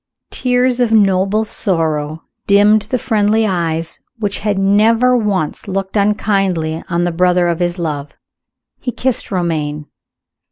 Tears of noble sorrow dimmed the friendly eyes which had never once looked unkindly on the brother of his love. He kissed Romayne.